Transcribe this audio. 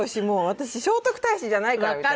もう私聖徳太子じゃないから。